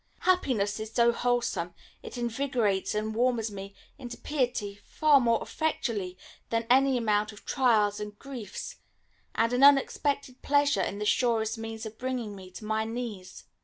Happiness is so wholesome; it invigorates and warms me into piety far more effectually than any amount of trials and griefs, and an unexpected pleasure is the surest means of bringing me to my knees.